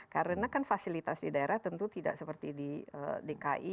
karena kan fasilitas di daerah tentu tidak seperti di dki